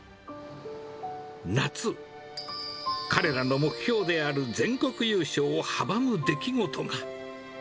夏、彼らの目標である全国優勝を阻む出来事が。